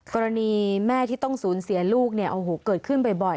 กรณีแม่ที่ต้องสูญเสียลูกเนี่ยโอ้โหเกิดขึ้นบ่อย